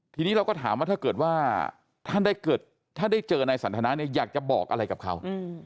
ทีนี้เราก็ถามว่าถ้าเกิดว่าท่านได้เจอนายสันทนาเนี่ยอยากจะบอกอะไรกับเขา